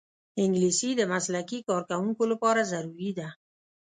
انګلیسي د مسلکي کارکوونکو لپاره ضروري ده